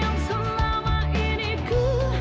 kaulah yang selama ini ku nangguli